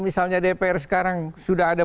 misalnya dpr sekarang sudah ada